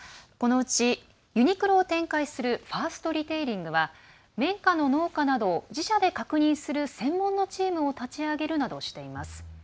このうち、ユニクロを展開するファーストリテイリングは綿花の農家などを自社で確認する専門のチームを立ち上げるなどしています。